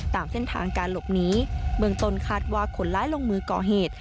ตามเส้นทางการหลบหนีเบื้องต้นคาดว่าคนร้ายลงมือก่อเหตุ